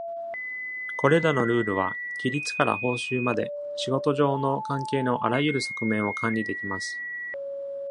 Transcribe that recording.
これらのルールは、規律から報酬まで、仕事上の関係のあらゆる側面を管理できます。